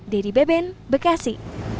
dari beben bekasi